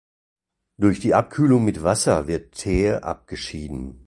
Durch die Abkühlung mit Wasser wird Teer abgeschieden.